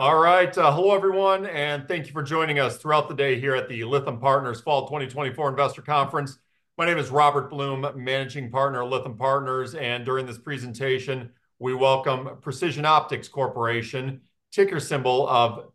All right, hello, everyone, and thank you for joining us throughout the day here at the Lytham Partners Fall 2024 Investor Conference. My name is Robert Blum, Managing Partner at Lytham Partners, and during this presentation, we welcome Precision Optics Corporation, ticker symbol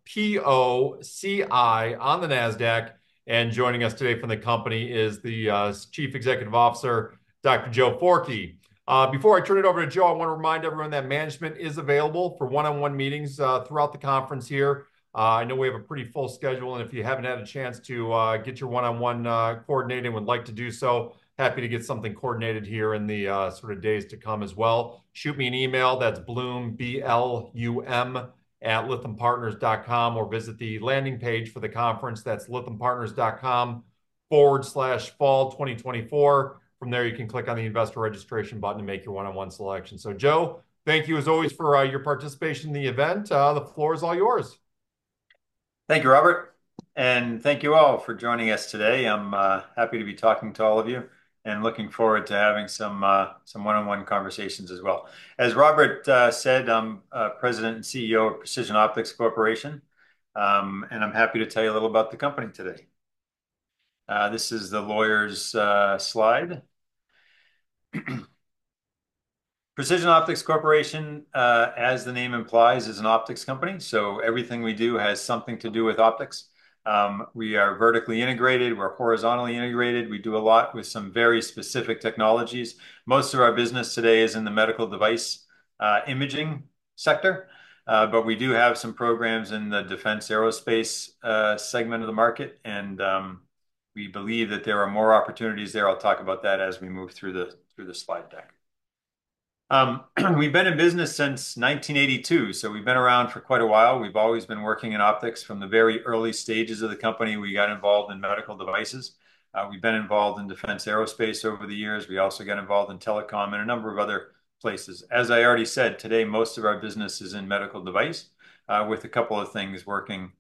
POCI on the Nasdaq, and joining us today from the company is the Chief Executive Officer, Dr. Joe Forkey. Before I turn it over to Joe, I want to remind everyone that management is available for one-on-one meetings throughout the conference here. I know we have a pretty full schedule, and if you haven't had a chance to get your one-on-one coordinated and would like to do so, happy to get something coordinated here in the sort of days to come as well. Shoot me an email, that's Blum, B-L-U-M, @lythampartners.com, or visit the landing page for the conference. That's lythampartners.com/fall2024. From there, you can click on the Investor Registration button to make your one-on-one selection. So, Joe, thank you, as always, for your participation in the event. The floor is all yours. Thank you, Robert, and thank you all for joining us today. I'm happy to be talking to all of you and looking forward to having some one-on-one conversations as well. As Robert said, I'm President and CEO of Precision Optics Corporation, and I'm happy to tell you a little about the company today. This is the lawyers' slide. Precision Optics Corporation, as the name implies, is an optics company, so everything we do has something to do with optics. We are vertically integrated, we're horizontally integrated. We do a lot with some very specific technologies. Most of our business today is in the medical device imaging sector, but we do have some programs in the defense aerospace segment of the market, and we believe that there are more opportunities there. I'll talk about that as we move through the slide deck. We've been in business since 1982, so we've been around for quite a while. We've always been working in optics. From the very early stages of the company, we got involved in medical devices. We've been involved in defense aerospace over the years. We also got involved in telecom and a number of other places. As I already said, today, most of our business is in medical device with a couple of things working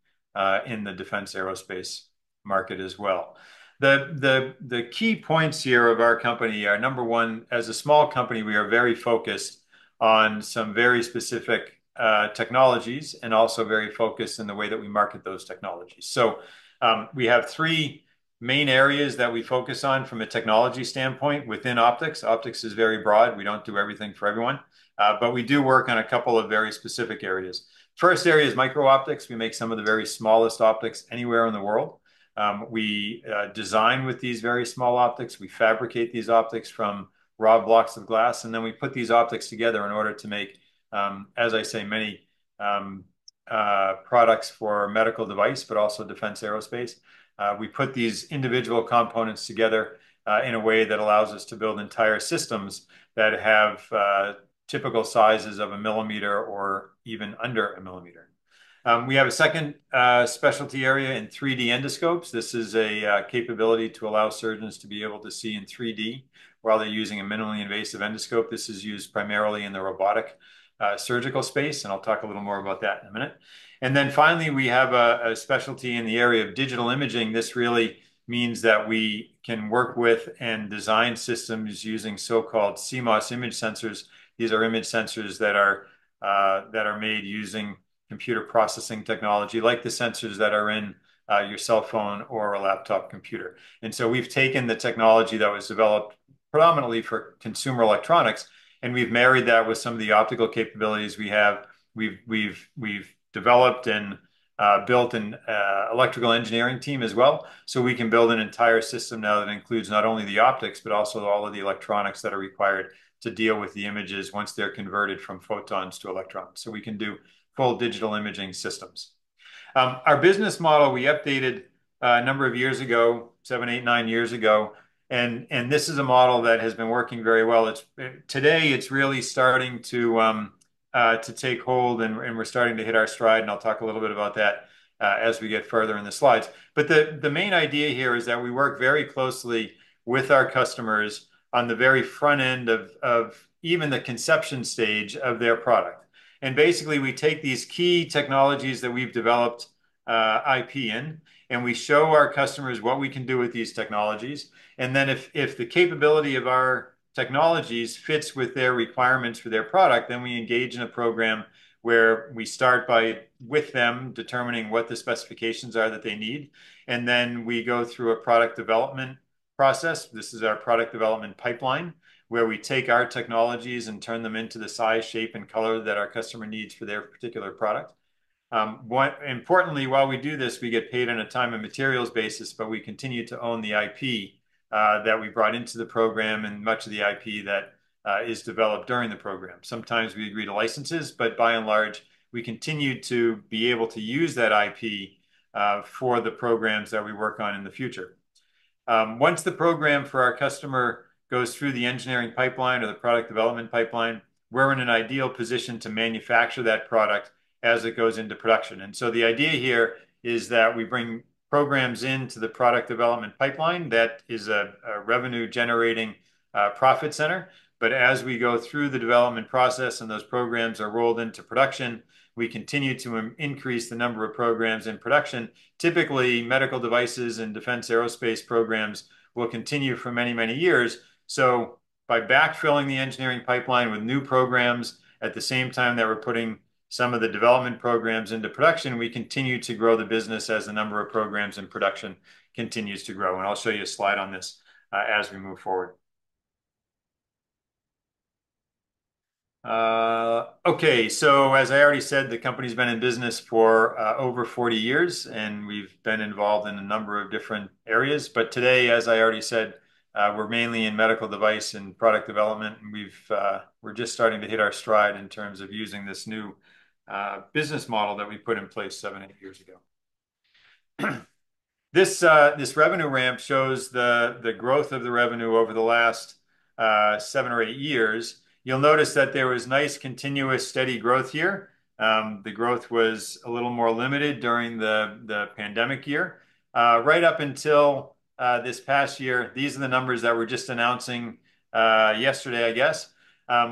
in the defense aerospace market as well. The key points here of our company are, number one, as a small company, we are very focused on some very specific technologies, and also very focused in the way that we market those technologies. So, we have three main areas that we focus on from a technology standpoint within optics. Optics is very broad. We don't do everything for everyone, but we do work on a couple of very specific areas. First area is micro-optics. We make some of the very smallest optics anywhere in the world. We design with these very small optics, we fabricate these optics from raw blocks of glass, and then we put these optics together in order to make, as I say, many products for medical device, but also defense aerospace. We put these individual components together, in a way that allows us to build entire systems that have typical sizes of a millimeter or even under a millimeter. We have a second specialty area in 3D endoscopes. This is a capability to allow surgeons to be able to see in 3D while they're using a minimally invasive endoscope. This is used primarily in the robotic surgical space, and I'll talk a little more about that in a minute. And then, finally, we have a specialty in the area of digital imaging. This really means that we can work with and design systems using so-called CMOS image sensors. These are image sensors that are made using computer processing technology, like the sensors that are in your cell phone or a laptop computer. And so we've taken the technology that was developed predominantly for consumer electronics, and we've married that with some of the optical capabilities we have. We've developed and built an electrical engineering team as well, so we can build an entire system now that includes not only the optics, but also all of the electronics that are required to deal with the images once they're converted from photons to electrons. So we can do full digital imaging systems. Our business model, we updated a number of years ago, seven, eight, nine years ago, and this is a model that has been working very well. It's today, it's really starting to take hold, and we're starting to hit our stride, and I'll talk a little bit about that as we get further in the slides. But the main idea here is that we work very closely with our customers on the very front end of even the conception stage of their product. And basically, we take these key technologies that we've developed, IP in, and we show our customers what we can do with these technologies. And then, if the capability of our technologies fits with their requirements for their product, then we engage in a program where we start by, with them, determining what the specifications are that they need, and then we go through a product development process. This is our product development pipeline, where we take our technologies and turn them into the size, shape, and color that our customer needs for their particular product. Importantly, while we do this, we get paid on a time and materials basis, but we continue to own the IP that we brought into the program and much of the IP that is developed during the program. Sometimes we agree to licenses, but by and large, we continue to be able to use that IP for the programs that we work on in the future. Once the program for our customer goes through the engineering pipeline or the product development pipeline, we're in an ideal position to manufacture that product as it goes into production. And so the idea here is that we bring programs into the product development pipeline that is a revenue-generating profit center. But as we go through the development process and those programs are rolled into production, we continue to increase the number of programs in production. Typically, medical devices and defense aerospace programs will continue for many, many years, so as... By backfilling the engineering pipeline with new programs, at the same time that we're putting some of the development programs into production, we continue to grow the business as the number of programs in production continues to grow, and I'll show you a slide on this, as we move forward. Okay, so as I already said, the company's been in business for over 40 years, and we've been involved in a number of different areas. But today, as I already said, we're mainly in medical device and product development, and we're just starting to hit our stride in terms of using this new business model that we put in place seven, eight years ago. This revenue ramp shows the growth of the revenue over the last seven or eight years. You'll notice that there was nice, continuous, steady growth here. The growth was a little more limited during the pandemic year. Right up until this past year, these are the numbers that we're just announcing yesterday, I guess,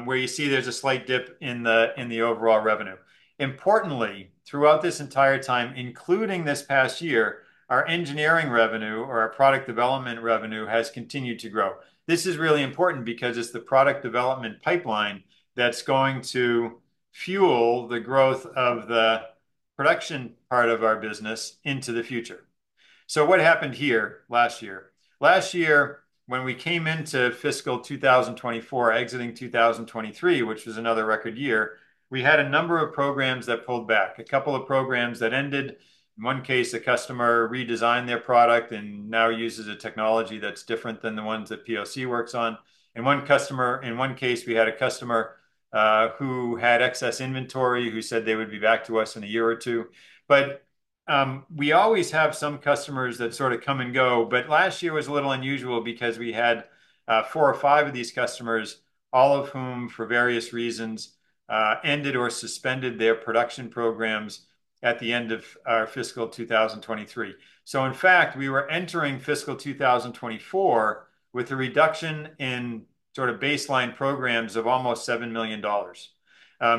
where you see there's a slight dip in the overall revenue. Importantly, throughout this entire time, including this past year, our engineering revenue or our product development revenue has continued to grow. This is really important because it's the product development pipeline that's going to fuel the growth of the production part of our business into the future. So what happened here last year? Last year, when we came into fiscal 2024, exiting 2023, which was another record year, we had a number of programs that pulled back, a couple of programs that ended. In one case, a customer redesigned their product and now uses a technology that's different than the ones that POC works on. And one customer, in one case, we had a customer, who had excess inventory, who said they would be back to us in a year or two. But we always have some customers that sort of come and go, but last year was a little unusual because we had four or five of these customers, all of whom, for various reasons, ended or suspended their production programs at the end of fiscal 2023. So in fact, we were entering fiscal 2024 with a reduction in sort of baseline programs of almost $7 million.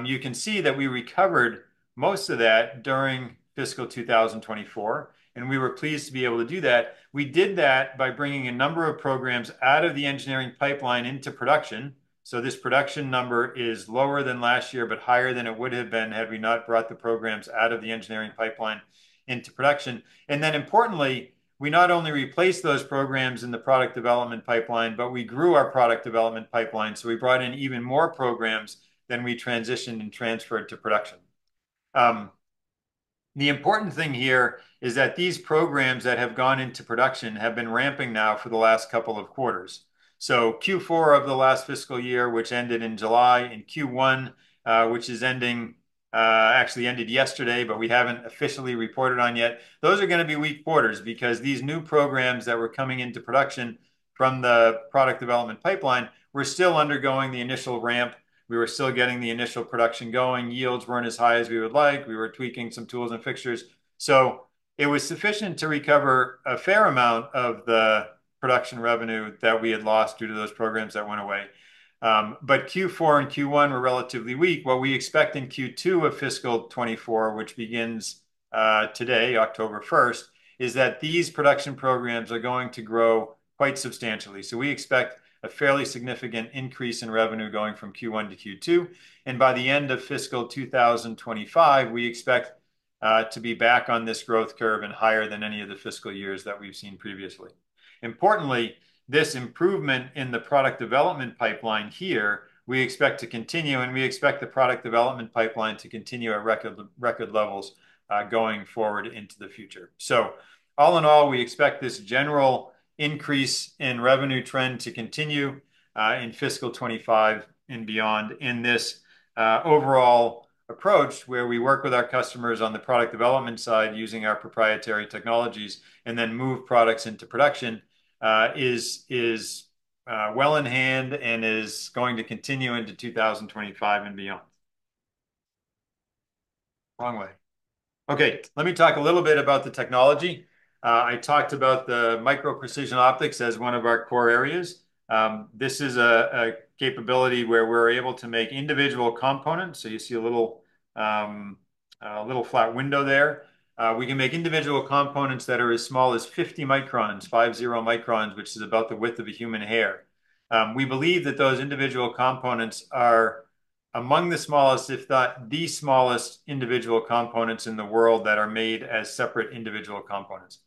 You can see that we recovered most of that during fiscal 2024, and we were pleased to be able to do that. We did that by bringing a number of programs out of the engineering pipeline into production, so this production number is lower than last year, but higher than it would have been had we not brought the programs out of the engineering pipeline into production. And then, importantly, we not only replaced those programs in the product development pipeline, but we grew our product development pipeline, so we brought in even more programs than we transitioned and transferred to production. The important thing here is that these programs that have gone into production have been ramping now for the last couple of quarters. So Q4 of the last fiscal year, which ended in July, and Q1, which is ending, actually ended yesterday, but we haven't officially reported on yet. Those are gonna be weak quarters, because these new programs that were coming into production from the product development pipeline were still undergoing the initial ramp. We were still getting the initial production going. Yields weren't as high as we would like. We were tweaking some tools and fixtures. So it was sufficient to recover a fair amount of the production revenue that we had lost due to those programs that went away. But Q4 and Q1 were relatively weak. What we expect in Q2 of fiscal 2024, which begins today, October 1st, is that these production programs are going to grow quite substantially. So we expect a fairly significant increase in revenue going from Q1 to Q2, and by the end of fiscal 2025, we expect to be back on this growth curve and higher than any of the fiscal years that we've seen previously. Importantly, this improvement in the product development pipeline here, we expect to continue, and we expect the product development pipeline to continue at record levels, going forward into the future. So all in all, we expect this general increase in revenue trend to continue, in fiscal 2025 and beyond. In this, overall approach, where we work with our customers on the product development side using our proprietary technologies and then move products into production, is well in hand and is going to continue into 2025 and beyond. Wrong way. Okay, let me talk a little bit about the technology. I talked about the micro-precision optics as one of our core areas. This is a capability where we're able to make individual components. So you see a little, a little flat window there. We can make individual components that are as small as 50 microns, 50 microns, which is about the width of a human hair. We believe that those individual components are among the smallest, if not the smallest, individual components in the world that are made as separate individual components.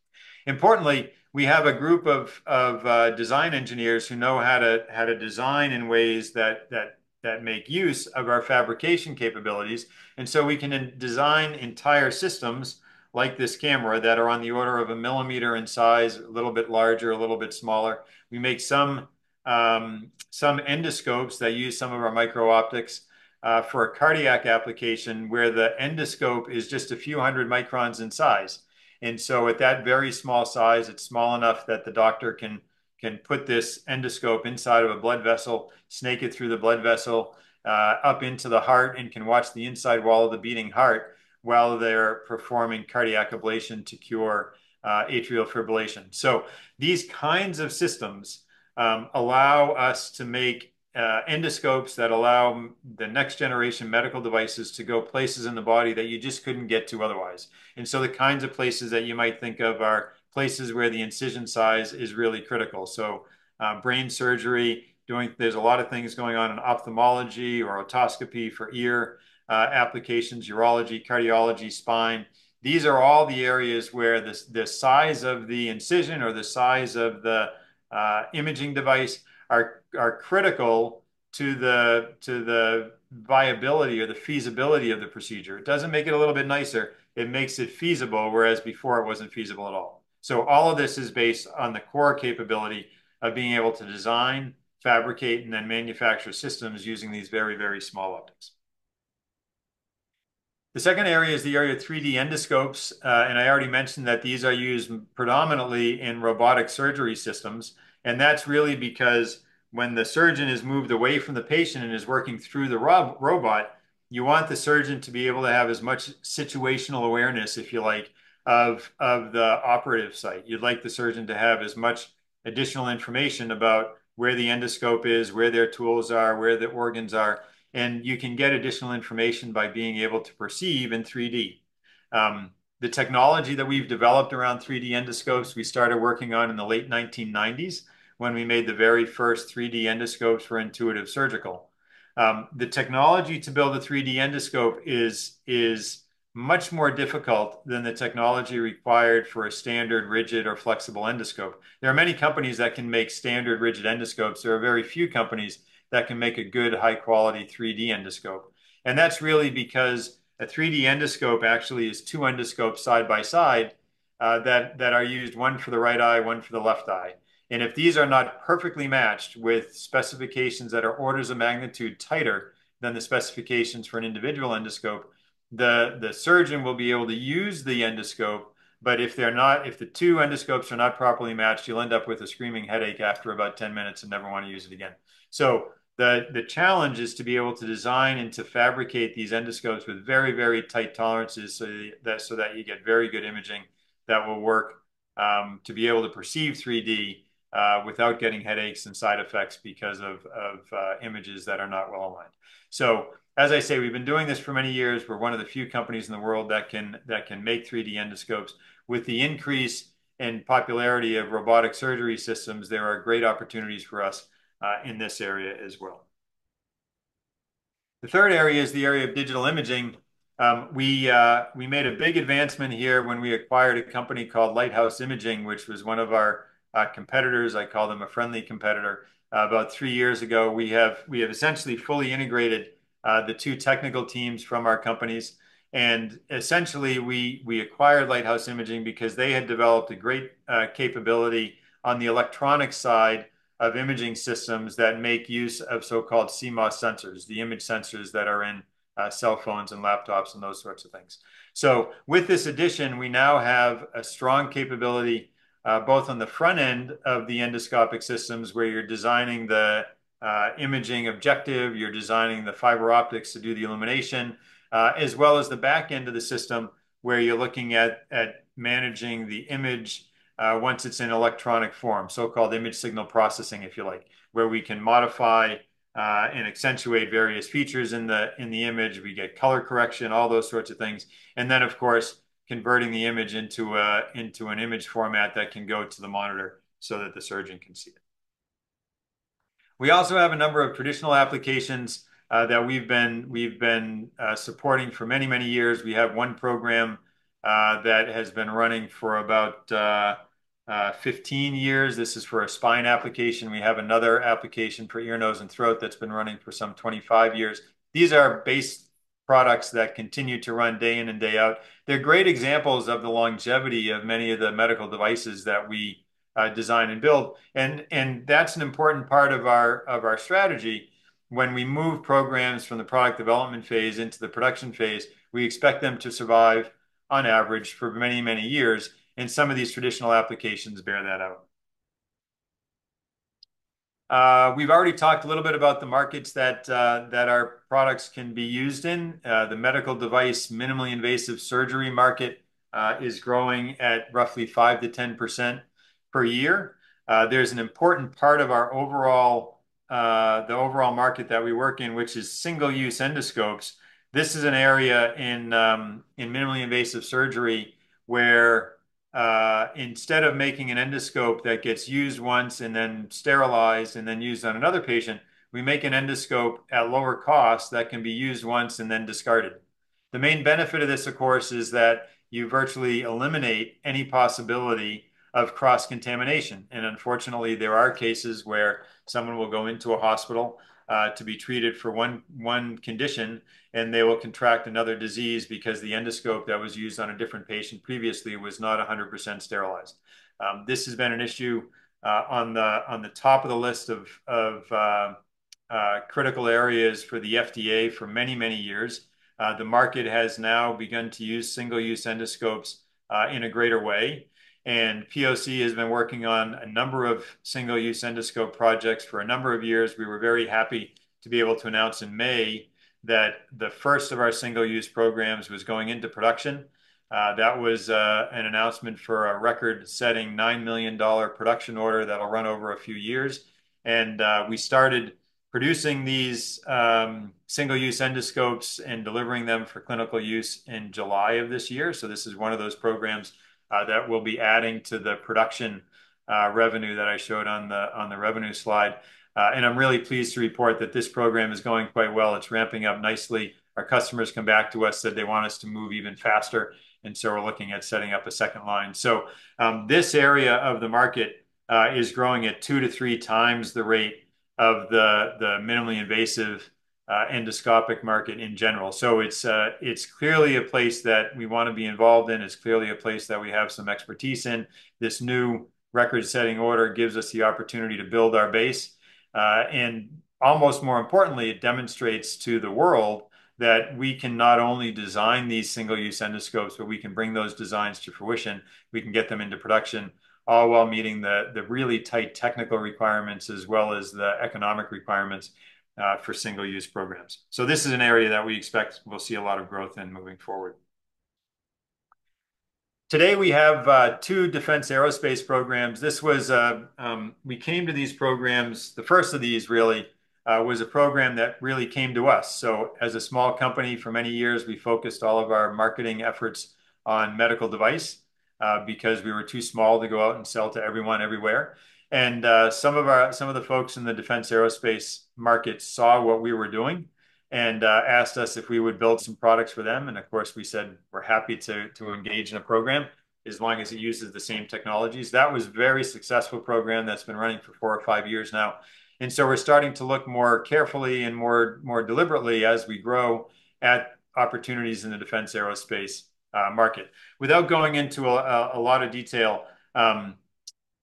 Importantly, we have a group of design engineers who know how to design in ways that make use of our fabrication capabilities. And so we can then design entire systems, like this camera, that are on the order of a millimeter in size, a little bit larger, a little bit smaller. We make some endoscopes that use some of our micro-optics for a cardiac application, where the endoscope is just a few hundred microns in size. And so at that very small size, it's small enough that the doctor can put this endoscope inside of a blood vessel, snake it through the blood vessel, up into the heart, and can watch the inside wall of the beating heart while they're performing cardiac ablation to cure atrial fibrillation. So these kinds of systems allow us to make endoscopes that allow the next generation medical devices to go places in the body that you just couldn't get to otherwise. And so the kinds of places that you might think of are places where the incision size is really critical. So brain surgery, there's a lot of things going on in ophthalmology or otoscopy for ear applications, urology, cardiology, spine. These are all the areas where the size of the incision or the size of the imaging device are critical to the viability or the feasibility of the procedure. It doesn't make it a little bit nicer. It makes it feasible, whereas before it wasn't feasible at all. So all of this is based on the core capability of being able to design, fabricate, and then manufacture systems using these very, very small optics. The second area is the area of 3D endoscopes, and I already mentioned that these are used predominantly in robotic surgery systems, and that's really because when the surgeon is moved away from the patient and is working through the robot, you want the surgeon to be able to have as much situational awareness, if you like, of the operative site. You'd like the surgeon to have as much additional information about where the endoscope is, where their tools are, where the organs are, and you can get additional information by being able to perceive in 3D. The technology that we've developed around 3D endoscopes, we started working on in the late 1990s, when we made the very first 3D endoscopes for Intuitive Surgical. The technology to build a 3D endoscope is much more difficult than the technology required for a standard rigid or flexible endoscope. There are many companies that can make standard rigid endoscopes. There are very few companies that can make a good, high-quality 3D endoscope, and that's really because a 3D endoscope actually is two endoscopes side by side, that are used, one for the right eye, one for the left eye. And if these are not perfectly matched with specifications that are orders of magnitude tighter than the specifications for an individual endoscope, the surgeon will be able to use the endoscope, but if they're not, if the two endoscopes are not properly matched, you'll end up with a screaming headache after about ten minutes and never wanna use it again. So the challenge is to be able to design and to fabricate these endoscopes with very, very tight tolerances, so that you get very good imaging that will work to be able to perceive 3D without getting headaches and side effects because of images that are not well-aligned. So, as I say, we've been doing this for many years. We're one of the few companies in the world that can make 3D endoscopes. With the increase in popularity of robotic surgery systems, there are great opportunities for us, in this area as well. The third area is the area of digital imaging. We made a big advancement here when we acquired a company called Lighthouse Imaging, which was one of our competitors, I call them a friendly competitor, about three years ago. We have essentially fully integrated the two technical teams from our companies, and essentially, we acquired Lighthouse Imaging because they had developed a great capability on the electronic side of imaging systems that make use of so-called CMOS sensors, the image sensors that are in cell phones and laptops, and those sorts of things. So with this addition, we now have a strong capability, both on the front end of the endoscopic systems, where you're designing the imaging objective, you're designing the fiber optics to do the illumination, as well as the back end of the system, where you're looking at managing the image once it's in electronic form, so-called image signal processing, if you like. Where we can modify and accentuate various features in the image. We get color correction, all those sorts of things, and then, of course, converting the image into an image format that can go to the monitor so that the surgeon can see it. We also have a number of traditional applications that we've been supporting for many, many years. We have one program that has been running for about 15 years. This is for a spine application. We have another application for ear, nose, and throat that's been running for some twenty-five years. These are base products that continue to run day in and day out. They're great examples of the longevity of many of the medical devices that we design and build, and that's an important part of our strategy. When we move programs from the product development phase into the production phase, we expect them to survive, on average, for many, many years, and some of these traditional applications bear that out. We've already talked a little bit about the markets that our products can be used in. The medical device, minimally invasive surgery market is growing at roughly 5%-10% per year. There's an important part of our overall the overall market that we work in, which is single-use endoscopes. This is an area in minimally invasive surgery, where instead of making an endoscope that gets used once and then sterilized, and then used on another patient, we make an endoscope at lower cost that can be used once and then discarded. The main benefit of this, of course, is that you virtually eliminate any possibility of cross-contamination, and unfortunately, there are cases where someone will go into a hospital to be treated for one condition, and they will contract another disease because the endoscope that was used on a different patient previously was not 100% sterilized. This has been an issue on the top of the list of. Critical areas for the FDA for many, many years. The market has now begun to use single-use endoscopes in a greater way, and POC has been working on a number of single-use endoscope projects for a number of years. We were very happy to be able to announce in May that the first of our single-use programs was going into production. That was an announcement for a record-setting $9 million production order that'll run over a few years. We started producing these single-use endoscopes and delivering them for clinical use in July of this year, so this is one of those programs that we'll be adding to the production revenue that I showed on the revenue slide, and I'm really pleased to report that this program is going quite well. It's ramping up nicely. Our customers come back to us, said they want us to move even faster, and so we're looking at setting up a second line. So, this area of the market is growing at two to three times the rate of the minimally invasive endoscopic market in general. So it's clearly a place that we wanna be involved in. It's clearly a place that we have some expertise in. This new record-setting order gives us the opportunity to build our base. And almost more importantly, it demonstrates to the world that we can not only design these single-use endoscopes, but we can bring those designs to fruition. We can get them into production, all while meeting the really tight technical requirements, as well as the economic requirements for single-use programs. So this is an area that we expect we'll see a lot of growth in moving forward. Today, we have two defense aerospace programs. We came to these programs. The first of these really was a program that really came to us. So as a small company for many years, we focused all of our marketing efforts on medical device because we were too small to go out and sell to everyone, everywhere. And some of the folks in the defense aerospace market saw what we were doing and asked us if we would build some products for them. And of course, we said, "We're happy to engage in a program, as long as it uses the same technologies." That was a very successful program that's been running for four or five years now. And so we're starting to look more carefully and more deliberately as we grow, at opportunities in the defense aerospace market. Without going into a lot of detail,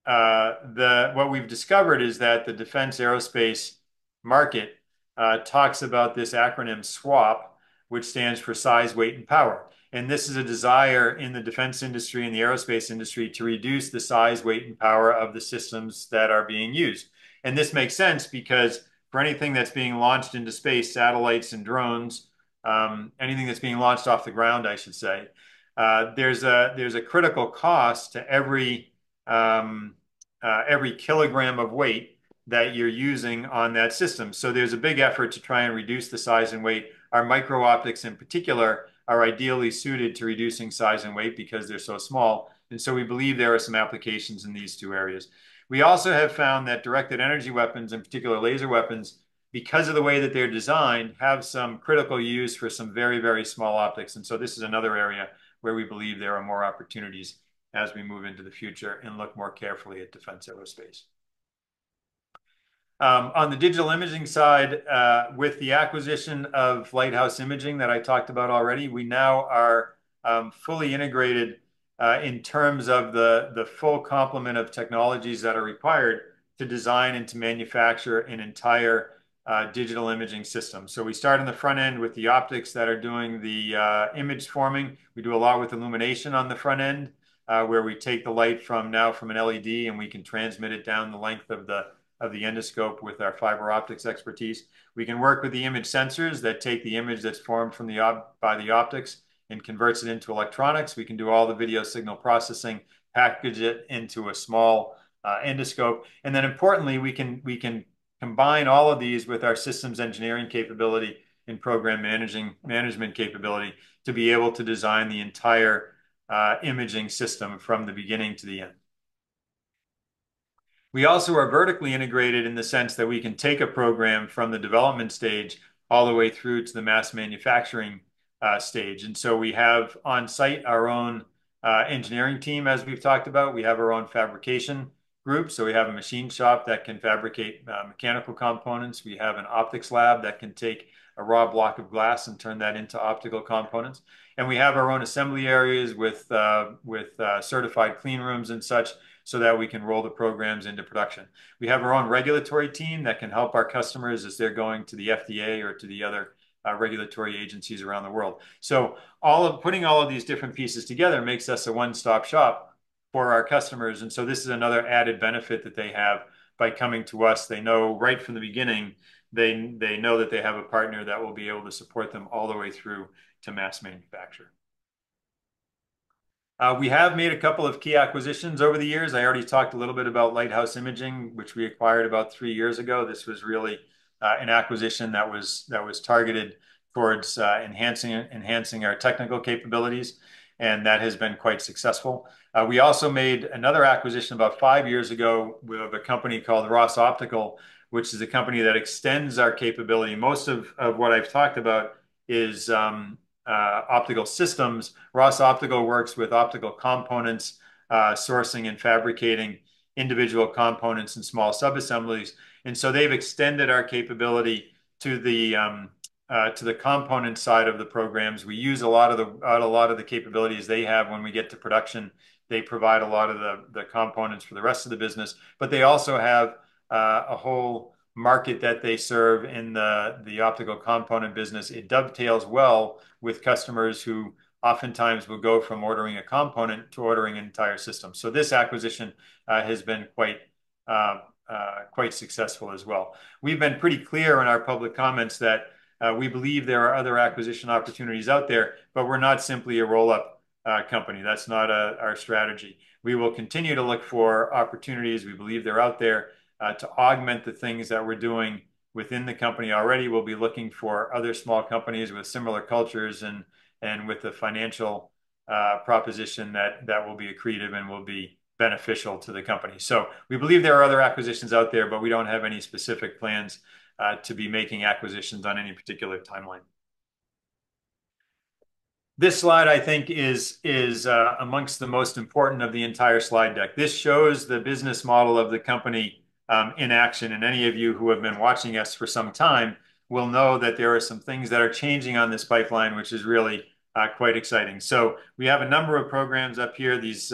what we've discovered is that the defense aerospace market talks about this acronym, SWaP, which stands for size, weight, and power. And this is a desire in the defense industry and the aerospace industry to reduce the size, weight, and power of the systems that are being used. And this makes sense because for anything that's being launched into space, satellites and drones, anything that's being launched off the ground, I should say, there's a critical cost to every kilogram of weight that you're using on that system. So there's a big effort to try and reduce the size and weight. Our micro-optics, in particular, are ideally suited to reducing size and weight because they're so small, and so we believe there are some applications in these two areas. We also have found that directed energy weapons, in particular laser weapons, because of the way that they're designed, have some critical use for some very, very small optics. And so this is another area where we believe there are more opportunities as we move into the future and look more carefully at defense aerospace. On the digital imaging side, with the acquisition of Lighthouse Imaging that I talked about already, we now are fully integrated in terms of the full complement of technologies that are required to design and to manufacture an entire digital imaging system. So we start on the front end with the optics that are doing the image forming. We do a lot with illumination on the front end, where we take the light from now from an LED, and we can transmit it down the length of the endoscope with our fiber optics expertise. We can work with the image sensors that take the image that's formed from the op- by the optics, and converts it into electronics. We can do all the video signal processing, package it into a small endoscope. Then importantly, we can combine all of these with our systems engineering capability and program management capability, to be able to design the entire imaging system from the beginning to the end. We also are vertically integrated in the sense that we can take a program from the development stage all the way through to the mass manufacturing stage. And so we have on-site our own engineering team, as we've talked about. We have our own fabrication group, so we have a machine shop that can fabricate mechanical components. We have an optics lab that can take a raw block of glass and turn that into optical components. And we have our own assembly areas with certified clean rooms and such, so that we can roll the programs into production. We have our own regulatory team that can help our customers as they're going to the FDA or to the other regulatory agencies around the world. So, putting all of these different pieces together makes us a one-stop shop for our customers, and so this is another added benefit that they have by coming to us. They know right from the beginning, they know that they have a partner that will be able to support them all the way through to mass manufacture. We have made a couple of key acquisitions over the years. I already talked a little bit about Lighthouse Imaging, which we acquired about three years ago. This was really an acquisition that was targeted towards enhancing our technical capabilities, and that has been quite successful. We also made another acquisition about five years ago. We have a company called Ross Optical, which is a company that extends our capability. Most of what I've talked about is optical systems. Ross Optical works with optical components, sourcing and fabricating individual components and small subassemblies. And so they've extended our capability to the component side of the programs. We use a lot of the capabilities they have when we get to production. They provide a lot of the components for the rest of the business, but they also have a whole market that they serve in the optical component business. It dovetails well with customers who oftentimes will go from ordering a component to ordering an entire system. So this acquisition has been quite successful as well. We've been pretty clear in our public comments that we believe there are other acquisition opportunities out there, but we're not simply a roll-up company. That's not our strategy. We will continue to look for opportunities, we believe they're out there to augment the things that we're doing within the company already. We'll be looking for other small companies with similar cultures and with the financial proposition that will be accretive and will be beneficial to the company. So we believe there are other acquisitions out there, but we don't have any specific plans to be making acquisitions on any particular timeline. This slide, I think, is among the most important of the entire slide deck. This shows the business model of the company in action, and any of you who have been watching us for some time will know that there are some things that are changing on this pipeline, which is really quite exciting. So we have a number of programs up here, these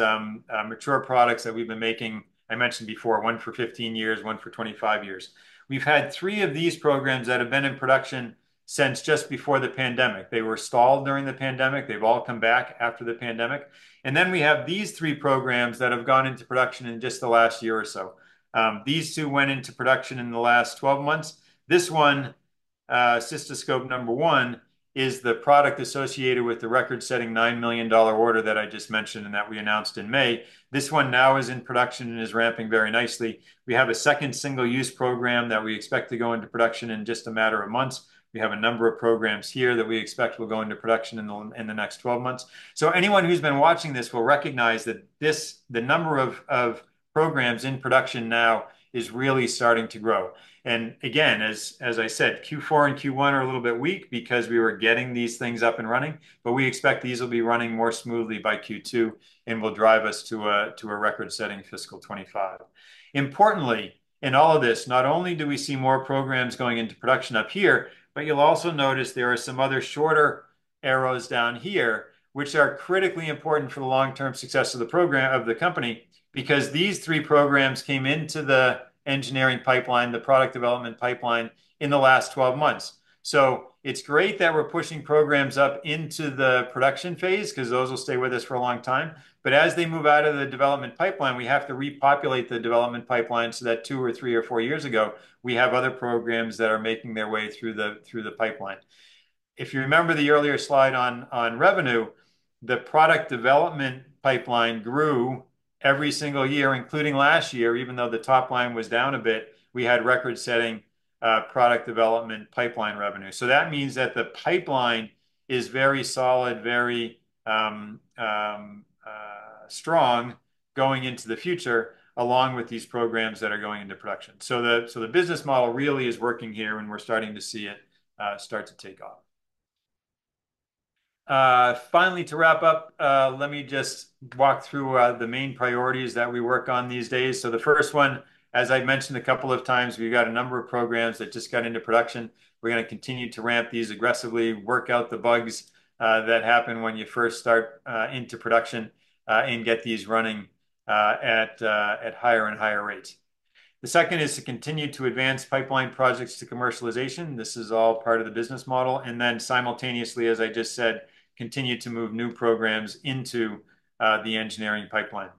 mature products that we've been making. I mentioned before, one for 15 years, one for 25 years. We've had three of these programs that have been in production since just before the pandemic. They were stalled during the pandemic. They've all come back after the pandemic. And then we have these three programs that have gone into production in just the last year or so. These two went into production in the last 12 months. This one, cystoscope number one, is the product associated with the record-setting $9 million order that I just mentioned, and that we announced in May. This one now is in production and is ramping very nicely. We have a second single-use program that we expect to go into production in just a matter of months. We have a number of programs here that we expect will go into production in the next 12 months. Anyone who's been watching this will recognize that the number of programs in production now is really starting to grow. Again, as I said, Q4 and Q1 are a little bit weak because we were getting these things up and running, but we expect these will be running more smoothly by Q2 and will drive us to a record-setting fiscal 2025. Importantly, in all of this, not only do we see more programs going into production up here, but you'll also notice there are some other shorter arrows down here, which are critically important for the long-term success of the company, because these three programs came into the engineering pipeline, the product development pipeline, in the last 11 months. So it's great that we're pushing programs up into the production phase, 'cause those will stay with us for a long time, but as they move out of the development pipeline, we have to repopulate the development pipeline so that two or three or four years ago, we have other programs that are making their way through the pipeline. If you remember the earlier slide on revenue, the product development pipeline grew every single year, including last year. Even though the top line was down a bit, we had record-setting product development pipeline revenue. So that means that the pipeline is very solid, very strong going into the future, along with these programs that are going into production. So the business model really is working here, and we're starting to see it start to take off. Finally, to wrap up, let me just walk through the main priorities that we work on these days, so the first one, as I've mentioned a couple of times, we've got a number of programs that just got into production. We're gonna continue to ramp these aggressively, work out the bugs that happen when you first start into production, and get these running at higher and higher rates. The second is to continue to advance pipeline projects to commercialization. This is all part of the business model, and then simultaneously, as I just said, continue to move new programs into the engineering pipeline.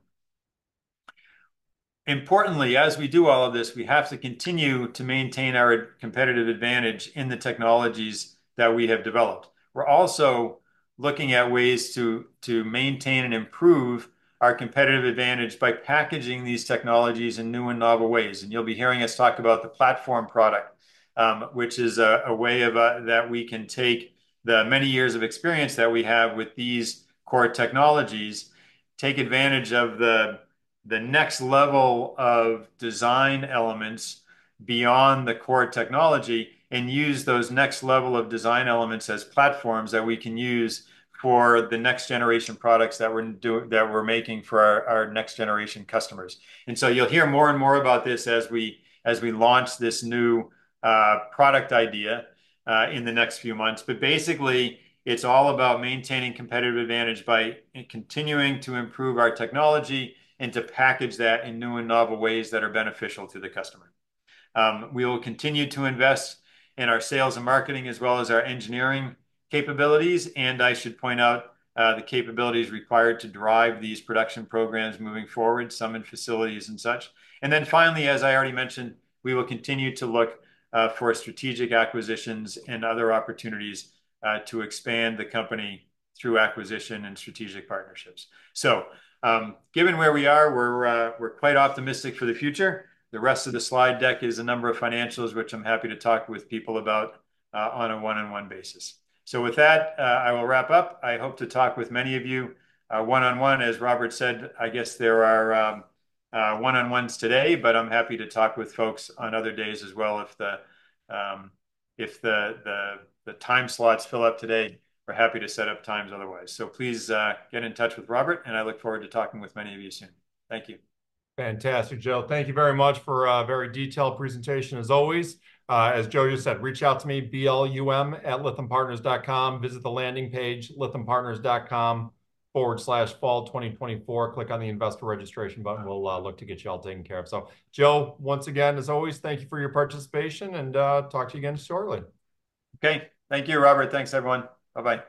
Importantly, as we do all of this, we have to continue to maintain our competitive advantage in the technologies that we have developed. We're also looking at ways to maintain and improve our competitive advantage by packaging these technologies in new and novel ways, and you'll be hearing us talk about the platform product, which is a way of that we can take the many years of experience that we have with these core technologies, take advantage of the next level of design elements beyond the core technology, and use those next level of design elements as platforms that we can use for the next-generation products that we're making for our next-generation customers. And so you'll hear more and more about this as we launch this new product idea in the next few months. But basically, it's all about maintaining competitive advantage by continuing to improve our technology and to package that in new and novel ways that are beneficial to the customer. We will continue to invest in our sales and marketing, as well as our engineering capabilities, and I should point out the capabilities required to drive these production programs moving forward, some in facilities and such. And then finally, as I already mentioned, we will continue to look for strategic acquisitions and other opportunities to expand the company through acquisition and strategic partnerships. So, given where we are, we're quite optimistic for the future. The rest of the slide deck is a number of financials, which I'm happy to talk with people about on a one-on-one basis. So with that, I will wrap up. I hope to talk with many of you, one-on-one. As Robert said, I guess there are one-on-ones today, but I'm happy to talk with folks on other days as well if the time slots fill up today, we're happy to set up times otherwise. So please, get in touch with Robert, and I look forward to talking with many of you soon. Thank you. Fantastic, Joe. Thank you very much for a very detailed presentation, as always. As Joe just said, reach out to me, blum@lythampartners.com. Visit the landing page, lythampartners.com/fall2024. Click on the Investor Registration button. We'll look to get you all taken care of. So Joe, once again, as always, thank you for your participation, and talk to you again shortly. Okay. Thank you, Robert. Thanks, everyone. Bye-bye.